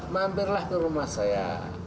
mampirlah ke rumah saya